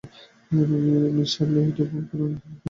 Miss Shirley এটা উপভোগ করেন, যেহেতু তিনি নিঃসন্তান।